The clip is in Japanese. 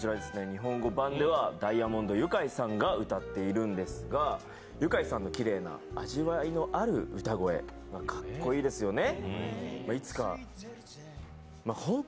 日本語版ではダイアモンド☆ユカイさんが歌っているんですがユカイさんのきれいな味わいのある歌声かっこいいですよね。